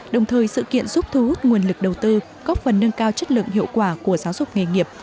đồng thời sự kiện giúp thu hút nguồn lực đầu tư góp phần nâng cao chất lượng hiệu quả của giáo dục nghề nghiệp